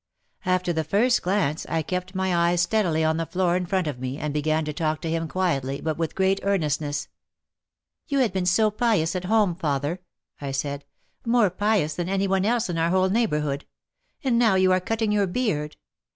After the first glance I kept my eyes steadily on the floor in front of me and began to talk to him quietly but with great earnestness. "You had been so pious at home, father," I said, "more pious than any one else in our whole neighbour hood. And now you are cutting your beard.